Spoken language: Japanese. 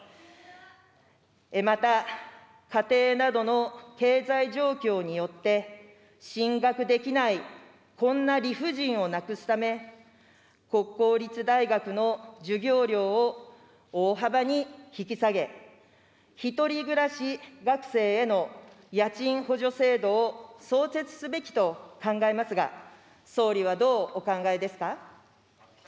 また、家庭などの経済状況によって、進学できない、こんな理不尽をなくすため、国公立大学の授業料を大幅に引き下げ、１人暮らし学生への家賃補助制度を創設すべきと考えますが、総理はどうお考えですか。